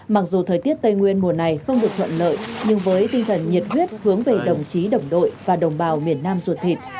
mặc dù thời tiết tây nguyên mùa này không được thuận lợi nhưng với tinh thần nhiệt huyết hướng về đồng chí đồng đội và đồng bào miền nam ruột thịt